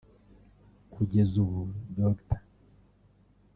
Kugeza ubu Dr